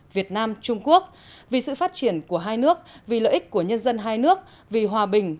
việt nam trung quốc vì sự phát triển của hai nước vì lợi ích của nhân dân hai nước vì hòa bình